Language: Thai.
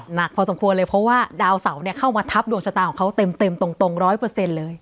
หนักพอสมควรเลยเพราะว่าดาวเสาเนี่ยเข้ามาทับดวงชะตาของเขาเต็มตรงร้อยเปอร์เซ็นต์เลย